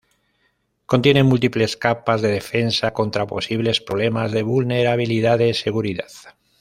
Contiene múltiples capas de defensa contra posibles problemas de vulnerabilidad de seguridad.